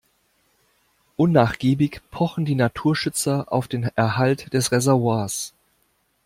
Unnachgiebig pochen die Naturschützer auf den Erhalt des Reservoirs.